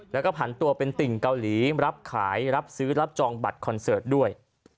แล้วก็ผันตัวเป็นติ่งเกาหลีรับขายรับซื้อรับจองบัตรคอนเสิร์ตด้วย